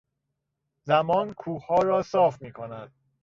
زمان کوهها را صاف میکند.